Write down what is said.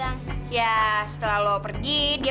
mama alasin ya